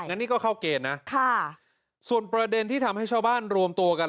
อันนี้ก็เข้าเกณฑ์นะค่ะส่วนประเด็นที่ทำให้ชาวบ้านรวมตัวกัน